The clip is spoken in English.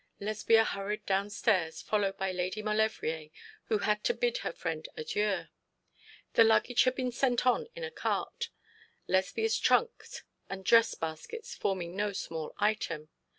Lesbia hurried downstairs, followed by Lady Maulevrier, who had to bid her friend adieu. The luggage had been sent on in a cart, Lesbia's trunks and dress baskets forming no small item.